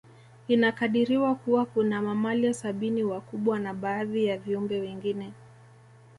Inakadiriwa Kuwa kuna mamalia sabini wakubwa na baadhi ya viumbe wengine